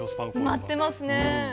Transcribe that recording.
埋まってますね。